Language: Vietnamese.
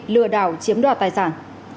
lừa đảo chiếm đoạt tài sản